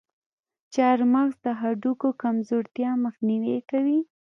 چارمغز د هډوکو کمزورتیا مخنیوی کوي.